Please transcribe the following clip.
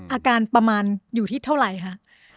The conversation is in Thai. อาการประมาณอยู่ที่เท่าไหร่คะ